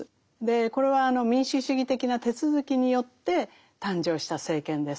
これは民主主義的な手続きによって誕生した政権です。